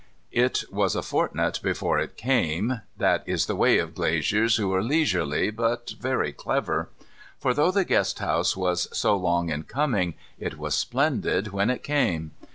It was a fortnight before it came. That is the way of glaziers who are leisurely but very clever. For though the guest house was so long in coming, it was splendid when it came.